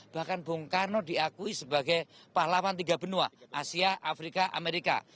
bahkan bung karno diakui sebagai pahlawan tiga benua asia afrika amerika